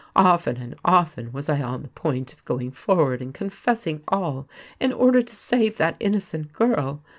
Often and often was I on the point of going forward and confessing all, in order to save that innocent girl.